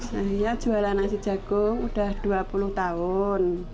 saya jualan nasi jagung udah dua puluh tahun